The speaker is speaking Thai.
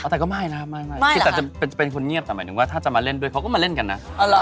แต่ก็ไม่นะครับไม่คือแต่จะเป็นคนเงียบแต่หมายถึงว่าถ้าจะมาเล่นด้วยเขาก็มาเล่นกันนะ